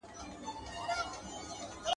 زه به لاس مينځلي وي.